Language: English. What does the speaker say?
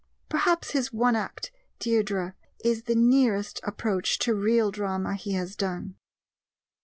Perhaps his one act Deirdre is the nearest approach to real drama he has done.